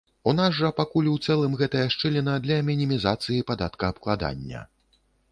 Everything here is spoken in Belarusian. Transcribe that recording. У нас жа пакуль у цэлым гэтая шчыліна для мінімізацыі падаткаабкладання.